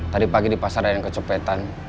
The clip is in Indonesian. tadi pagi di pasar ada yang kecepetan